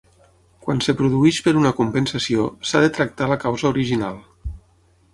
Quan es produeix per una compensació, s'ha de tractar la causa original.